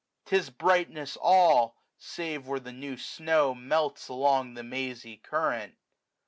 ^Tis brightness all ; save where the new snow melts Along the mazy current.